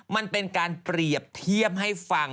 มันเป็นการเปรียบเทียบให้ฟัง